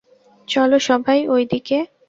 চলো সবাই, ওইদিকে।